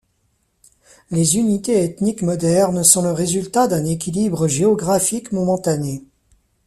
Les unités ethniques modernes sont le résultat d'un équilibre géographique momentané.